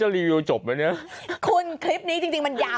แถมมีสรุปอีกต่างหากแถมมีสรุปอีกต่างหาก